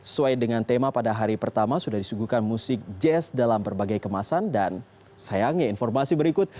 sesuai dengan tema pada hari pertama sudah disuguhkan musik jazz dalam berbagai kemasan dan sayangnya informasi berikut